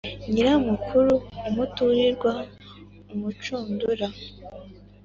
Nyiramukuru umuturirwa.-Umucundura.